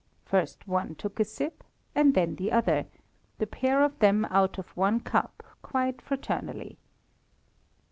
First one took a sip and then the other, the pair of them out of one cup, quite fraternally.